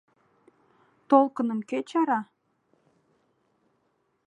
Толкыным кӧ чара?